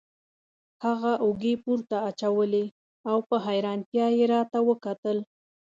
هغه اوږې پورته واچولې او په حیرانتیا یې راته وکتل.